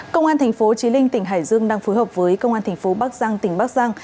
công an tp chí linh tỉnh hải dương đang phối hợp với công an tp bắc giang tỉnh bắc giang